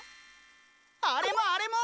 あれもあれも！